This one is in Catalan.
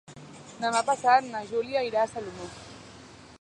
Demà passat na Júlia irà a Salomó.